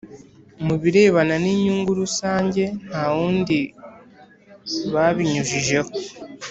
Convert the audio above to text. mu birebana n inyungu rusange nta wundi babinyujijeho